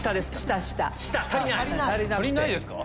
足りないですか。